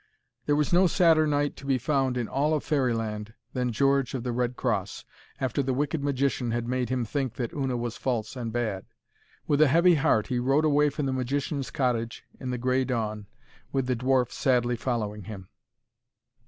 There was no sadder knight to be found in all Fairyland than George of the Red Cross, after the wicked magician had made him think that Una was false and bad. With a heavy heart he rode away from the magician's cottage in the grey dawn, with the dwarf sadly following him.